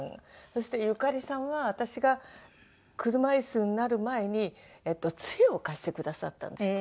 そしてゆかりさんは私が車イスになる前に杖を貸してくださったんですよ。